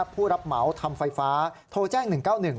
ผู้รับเหมาทำไฟฟ้าโทรแจ้ง๑๙๑